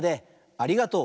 ありがとう。